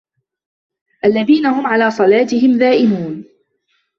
الَّذينَ هُم عَلى صَلاتِهِم دائِمونَ